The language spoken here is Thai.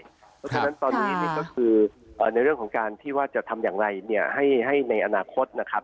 เพราะฉะนั้นตอนนี้ก็คือในเรื่องของการที่ว่าจะทำอย่างไรเนี่ยให้ในอนาคตนะครับ